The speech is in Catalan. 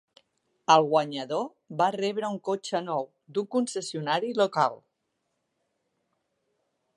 El guanyador va rebre un cotxe nou d'un concessionari local.